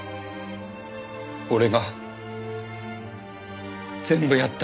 俺が全部やったんです。